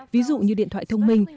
ví dụ như điện thoại thông minh